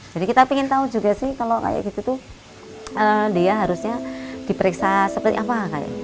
jadi kita ingin tahu juga sih kalau kayak gitu tuh dia harusnya diperiksa seperti apa